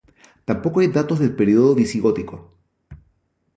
Tampoco hay datos del periodo visigótico.